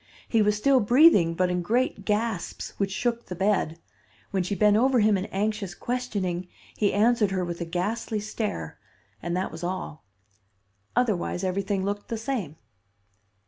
He was still breathing, but in great gasps which shook the bed. When she bent over him in anxious questioning, he answered her with a ghastly stare, and that was all. Otherwise, everything looked the same.